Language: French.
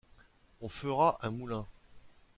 On fera un moulin.